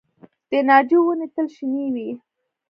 د ناجو ونې تل شنې وي؟